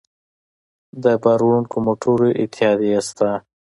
د بار وړونکو موټرو اتحادیې شته